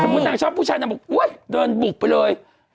ถ้าสมมุตินางชอบผู้ชายเนี่ยว่าวะเดินบุบไปเลย